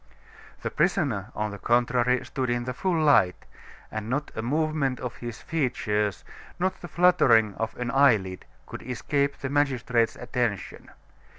The prisoner, on the contrary, stood in the full light, and not a movement of his features, not the fluttering of an eyelid could escape the magistrate's attention.